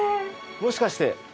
もしかして？